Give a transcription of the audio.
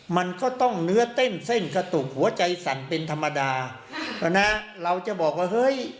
มันก็ต้องเนื้อเต้นเส้นกระตุกหัวใจสั่นเป็นธรรมดานะเราจะบอกว่าเฮ้ย